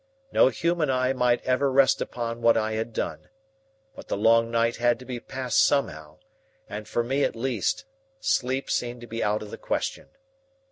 No human eye might ever rest upon what I had done. But the long night had to be passed somehow, and for me at least, sleep seemed to be out of the question.